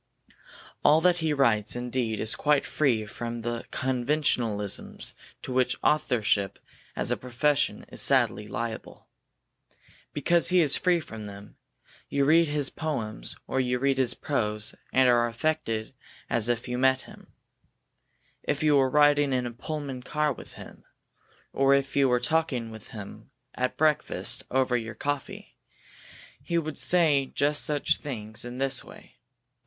All that he writes indeed is quite free from the conventionalisms to which authorship as a profession is sadly liable. Because he is free from them, you read his poems or you read his prose, and are affected as if you met him. If you were riding in a Pullman car with him, or if you were talking with him at breakfast over your coffee, he would say just such things in just this way.